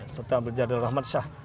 sultan abdul jadwal rahmat shah